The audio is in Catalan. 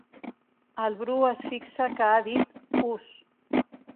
El Bru es fixa que ha dit “us”.